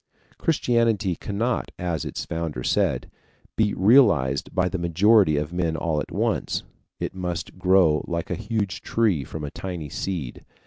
Christianity cannot, as its Founder said, be realized by the majority of men all at once; it must grow like a huge tree from a tiny seed.